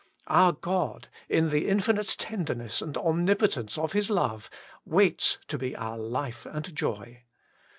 Our God, in the infinite tenderness and omnipotence of His love, waits to be our Life and Joy.